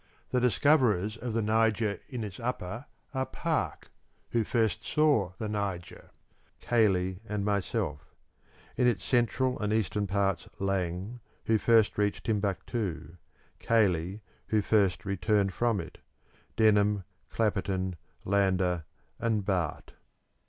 The discoverers of the Niger in its upper are Park (who first saw the Niger), Caillie, and myself: in its central and eastern parts Laing, who first reached Timbuktu; Caillie, who first returned from it; Denham, Clapperton, Lander, and Barth.